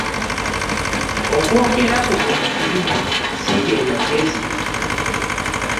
Okwogera ku buli kimu si ge magezi.